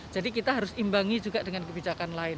jadi kita harus imbangi juga dengan kebijakan lain